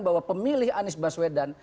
bahwa pemilih anies baswedan